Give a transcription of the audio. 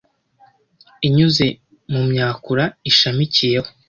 inyuze mu myakura ishamikiyeho